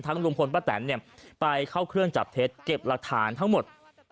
ลุงพลป้าแตนไปเข้าเครื่องจับเท็จเก็บหลักฐานทั้งหมด